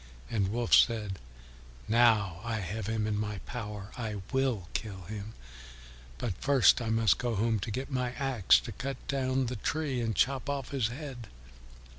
And Wolf said, "Now I have him in my power. I will kill him; but first I must go home to get my axe to cut down the tree and to chop off his head."